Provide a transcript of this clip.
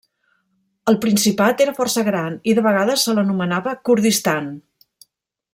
El principat era força gran i de vegades se l'anomenava Kurdistan.